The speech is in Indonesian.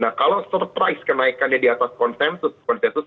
nah kalau surprise kenaikannya di atas konsensus konsensus